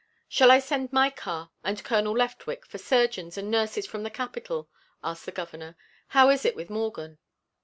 "Shall I send my car and Colonel Leftwick for surgeons and nurses from the Capital?" asked the Governor. "How is it with Morgan?"